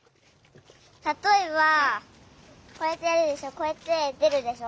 たとえばこうやってやるでしょこうやってでるでしょ？